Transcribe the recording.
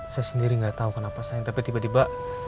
saya sendiri gak tau kenapa sayang tapi tiba tiba